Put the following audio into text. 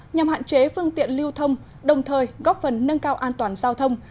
nhằm hạn chế phương tiện lưu thông đồng thời góp phần nâng cao an toàn giao thông